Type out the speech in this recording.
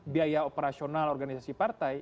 biaya operasional organisasi partai